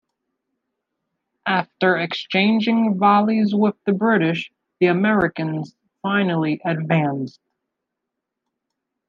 After exchanging volleys with the British, the Americans finally advanced.